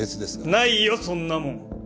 ないよそんなもん！